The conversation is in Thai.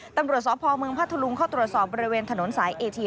ตำรดสอบพลเมืองพัทธลุงก็ตรวจสอบบริเวณถนนสายเอเทีย